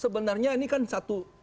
sebenarnya ini kan satu